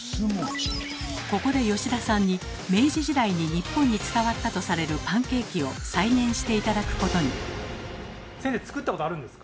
ここで田さんに明治時代に日本に伝わったとされるパンケーキを再現して頂くことに。